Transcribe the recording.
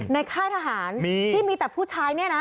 ค่ายทหารที่มีแต่ผู้ชายเนี่ยนะ